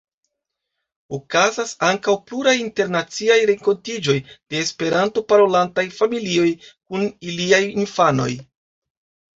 Okazas ankaŭ pluraj internaciaj renkontiĝoj de Esperanto-parolantaj familioj kun iliaj infanoj.